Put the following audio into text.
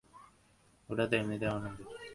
ওটাতে এম্নিতেও আমার নাম লেখা আছে।